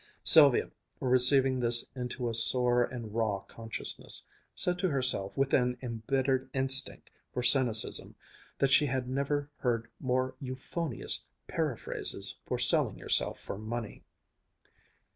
Sylvia, receiving this into a sore and raw consciousness, said to herself with an embittered instinct for cynicism that she had never heard more euphonious periphrases for selling yourself for money.